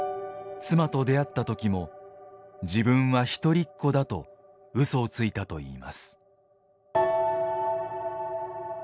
妻と出会った時も「自分はひとりっ子」だとうそをついたといいます。